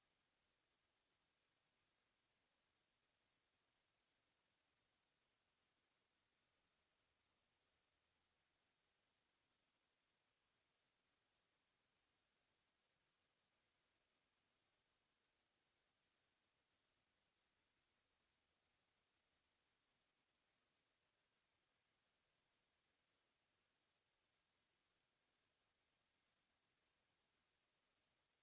โปรดติดตามตอนต่อไป